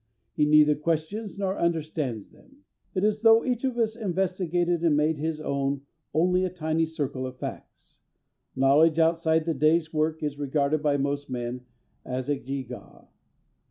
He neither questions nor understands them. It is as though each of us investigated and made his own only a tiny circle of facts. Knowledge outside the day's work is regarded by most men as a gewgaw.